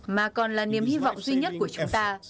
mà còn là niềm hy vọng duy nhất của chúng ta